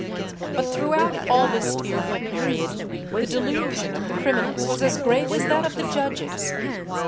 But throughout all this fearful period the delusion of the criminals was as great as that of the judges.